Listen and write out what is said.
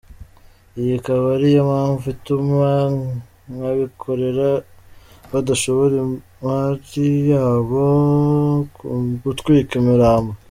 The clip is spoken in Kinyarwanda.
Iyi akaba ari yo mpamvu ituma nk’abikorera badashora imari yabo mu gutwika imirambo.